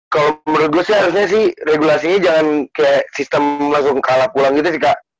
kalau menurut gue sih harusnya sih regulasinya jangan kayak sistem langsung kalah pulang gitu sih kak